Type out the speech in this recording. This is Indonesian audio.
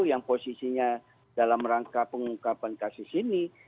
yang posisinya dalam rangka pengungkapan kasus ini